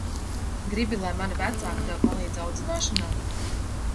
Gribi, lai mani vecāki tev palīdz audzināšanā?